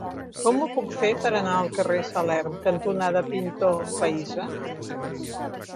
Com ho puc fer per anar al carrer Salern cantonada Pintor Pahissa?